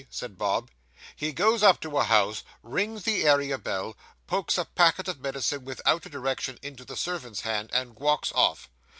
said Bob. 'He goes up to a house, rings the area bell, pokes a packet of medicine without a direction into the servant's hand, and walks off.